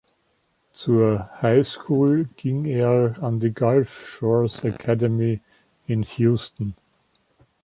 Zur High School ging er an die Gulf Shores Academy in Houston.